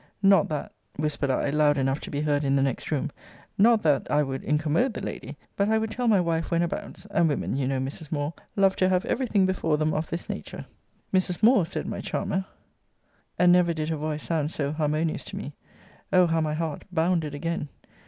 Not that [whispered I, loud enough to be heard in the next room; not that] I would incommode the lady: but I would tell my wife when abouts and women, you know, Mrs. Moore, love to have every thing before them of this nature. Mrs. Moore (said my charmer) [and never did her voice sound so harmonious to me: Oh! how my heart bounded again!